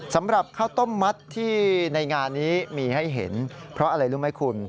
สำหรับข้าวต้มมัดที่ในงานนี้มีให้เห็นเพราะอะไรรู้ไหมคุณ